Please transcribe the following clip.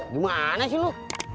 gimana sih lu